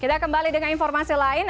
kita kembali dengan informasi lain